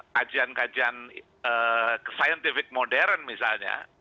kajian kajian scientific modern misalnya